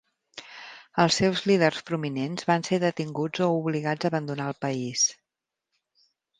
Els seus líders prominents van ser detinguts o obligats a abandonar el país.